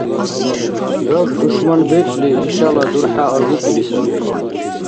Даг душман бецӀли ишала дурхӀя арбукили саби.